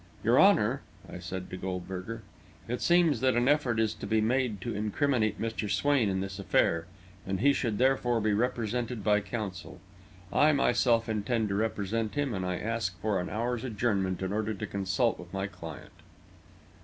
"Your Honour," I said to Goldberger, "it seems that an effort is to be made to incriminate Mr. Swain in this affair, and he should therefore be represented by counsel. I myself intend to represent him, and I ask for an hour's adjournment in order to consult with my client."